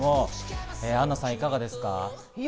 アンナさんどうですか？